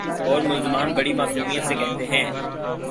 اورملزمان بڑی معصومیت سے کہتے ہیں۔